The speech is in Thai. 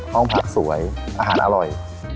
ห้องพักสวยอาหารอร่อย